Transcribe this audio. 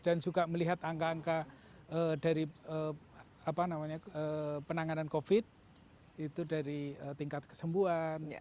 dan juga melihat angka angka dari penanganan covid itu dari tingkat kesembuhan